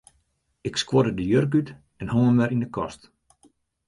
Ik skuorde de jurk út en hong him wer yn 'e kast.